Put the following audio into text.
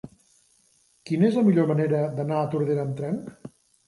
Quina és la millor manera d'anar a Tordera amb tren?